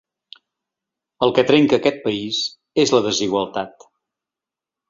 El que trenca aquest país és la desigualtat.